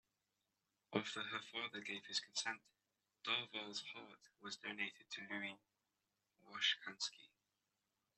After her father gave his consent, Darvall's heart was donated to Louis Washkansky.